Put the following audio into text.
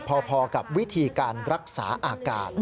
พอกับวิธีการรักษาอากาศ